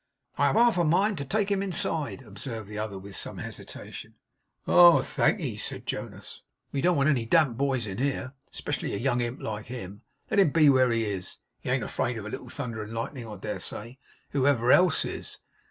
'I have half a mind to take him inside,' observed the other with some hesitation. 'Oh! thankee!' said Jonas. 'We don't want any damp boys here; especially a young imp like him. Let him be where he is. He ain't afraid of a little thunder and lightning, I dare say; whoever else is.